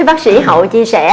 bác sĩ hậu chia sẻ